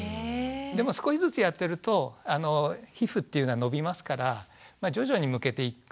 でも少しずつやってると皮膚っていうのはのびますから徐々にむけていく。